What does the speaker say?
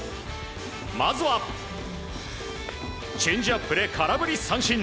まずは、チェンジアップで空振り三振。